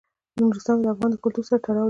نورستان د افغان کلتور سره تړاو لري.